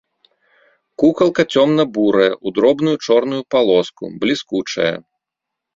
Кукалка цёмна-бурая, у дробную чорную палоску, бліскучая.